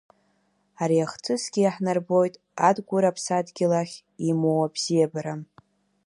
Ари ахҭысгьы иаҳнарбоит Адгәыр Аԥсадгьыл ахь имоу абзиабара.